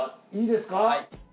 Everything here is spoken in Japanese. いいですか？